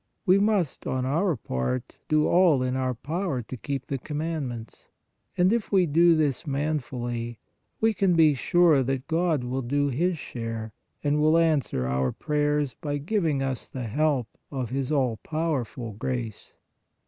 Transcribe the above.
We must, on our part, do all in our power to keep the commandments, and if we do this manfully, we can be sure that God will do His share and will answer our prayers by giving us the CONDITIONS OF PRAYER 49 help of His all powerful grace.